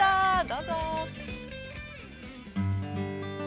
どうぞ。